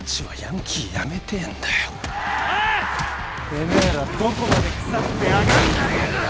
てめえらどこまで腐ってやがんだよ！